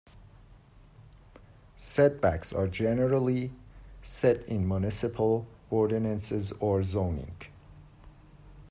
Setbacks are generally set in municipal ordinances or zoning.